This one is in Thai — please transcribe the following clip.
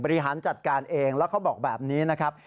บริหารจัดการเองแล้วเขาบอกแบบนี้นะครับ